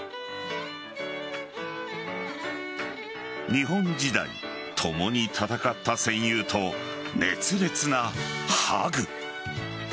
日本時代共に戦った戦友と熱烈なハグ。